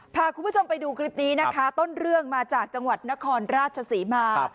พาคุณผู้ชมไปดูคลิปนี้นะคะต้นเรื่องมาจากจังหวัดนครราชศรีมา